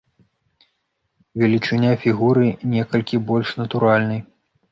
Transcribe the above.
Велічыня фігуры некалькі больш натуральнай.